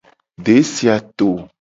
Desi a to.